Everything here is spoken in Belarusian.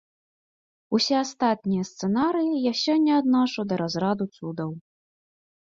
Усе астатнія сцэнарыі я сёння адношу да разраду цудаў.